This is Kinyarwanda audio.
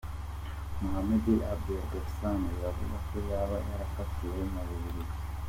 Mohammed Abdeslam – biravugwa ko yaba yarafatiwe mu Bubiligi.